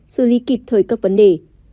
xử lý kịp thời cấp vấn đề